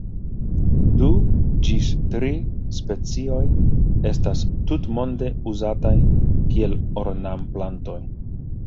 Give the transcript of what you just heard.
Du ĝis tri specioj estas tutmonde uzataj kiel ornamplantoj.